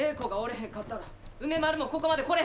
へんかったら梅丸もここまで来れ